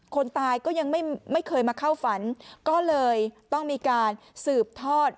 คนตายก็ยังไม่เคยมาเข้าฝันก็เลยต้องมีการสืบทอด